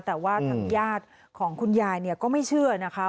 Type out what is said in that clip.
แต่ว่าทางญาติของคุณยายก็ไม่เชื่อนะคะ